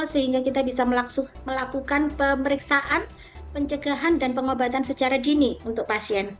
sehingga kita bisa melakukan pemeriksaan pencegahan dan pengobatan secara dini untuk pasien